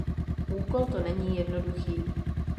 Úkol to není jednoduchý.